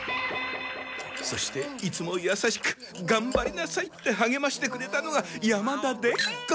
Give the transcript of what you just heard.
そしていつもやさしくがんばりなさいってはげましてくれたのが山田伝子さん。